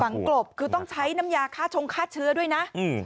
กลบคือต้องใช้น้ำยาฆ่าชงฆ่าเชื้อด้วยนะ